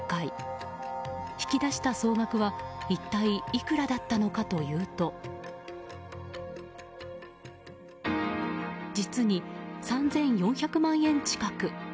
引き出した総額は一体いくらだったのかというと実に３４００万円近く。